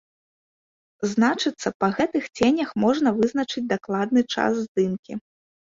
Значыцца, па гэтых ценях можна вызначыць дакладны час здымкі.